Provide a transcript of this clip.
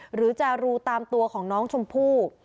หรือจะรูตามตัวของน้องชมพู่